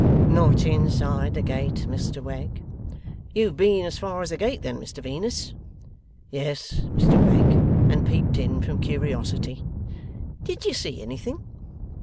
'Not inside the gate, Mr Wegg.' 'You've been as far as the gate then, Mr Venus?' 'Yes, Mr Wegg, and peeped in from curiosity.' 'Did you see anything?